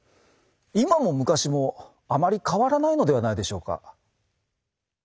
今も昔もあまり変わらないのではないでしょうか。